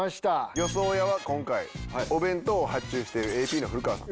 予想屋は今回お弁当を発注しているＡＰの古川さん。